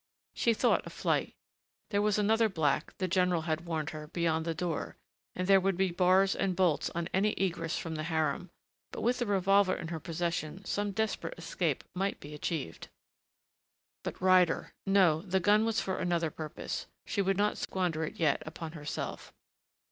She thought of flight.... There was another black, the general had warned her, beyond the door, and there would be bars and bolts on any egress from the harem, but with the revolver in her possession some desperate escape might be achieved. But Ryder.... No, the gun was for another purpose.... She would not squander it yet upon herself....